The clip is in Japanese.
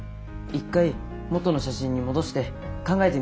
一回元の写真に戻して考えてみよう。